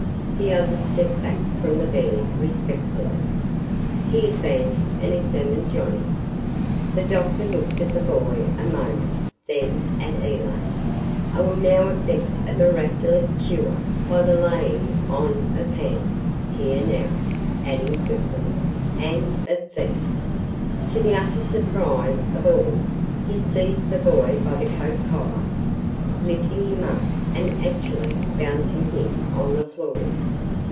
The others stepped back from the bed respectfully. He advanced and examined Johnnie. The doctor looked at the boy a moment, then at Elaine. "I will now effect a miraculous cure by the laying on of hands," he announced, adding quickly, " and of feet!" To the utter surprise of all he seized the boy by the coat collar, lifting him up and actually bouncing him on the floor.